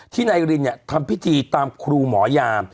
ที่ในรินเนี่ยทำพิธีตามครูหมอยา